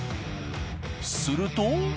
すると。